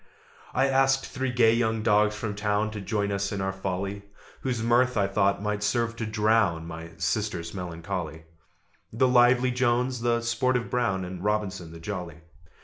I asked three gay young dogs from town To join us in our folly, Whose mirth, I thought, might serve to drown My sister's melancholy: The lively Jones, the sportive Brown, And Robinson the jolly.